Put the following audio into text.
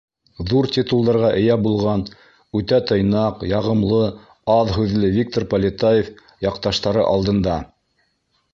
Ҙур титулдарға эйә булған, үтә тыйнаҡ, яғымлы, аҙ һүҙле Виктор Полетаев яҡташтары алдында: